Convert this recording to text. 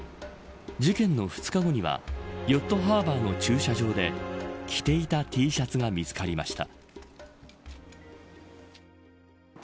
事件の２日後にはヨットハーバーの駐車場で着ていたＴシャツが見つかりました。